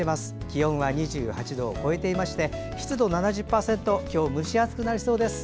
気温は２８度を超えていまして湿度７０％と今日は蒸し暑くなりそうです。